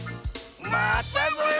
またぞよ！